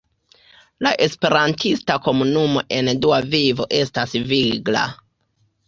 La esperantista komunumo en Dua Vivo estas vigla.